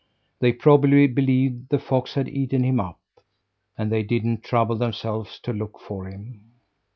They probably believed the fox had eaten him up; and they didn't trouble themselves to look for him.